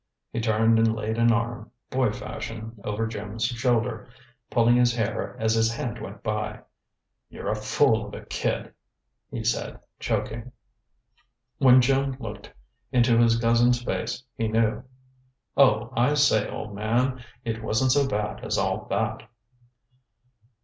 He turned and laid an arm, boy fashion, over Jim's shoulder, pulling his hair as his hand went by. "You're a fool of a kid!" he said, choking. When Jim looked into his cousin's face, he knew. "Oh, I say, old man, it wasn't so bad as all that."